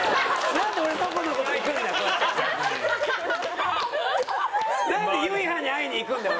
なんでゆいはんに会いに行くんだよ